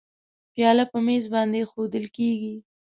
پیاله په میز باندې اېښوول کېږي.